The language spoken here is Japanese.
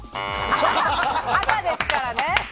赤ですからね。